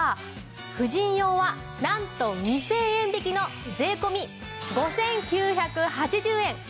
婦人用はなんと２０００円引きの税込５９８０円。